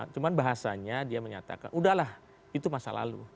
cuma bahasanya dia menyatakan udah lah itu masa lalu